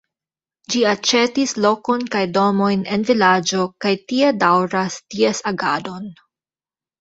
Ĝi aĉetis lokon kaj domojn en vilaĝo kaj tie daŭras ties agadon.